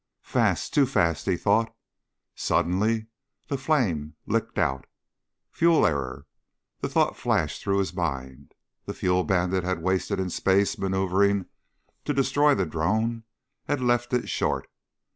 Fast ... too fast, he thought. Suddenly the flame licked out. Fuel error. The thought flashed through his mind. The fuel Bandit had wasted in space maneuvering to destroy the drone had left it short.